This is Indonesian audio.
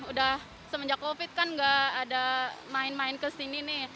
udah semenjak covid kan gak ada main main kesini nih